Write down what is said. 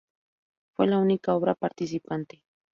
Fue la única obra participante.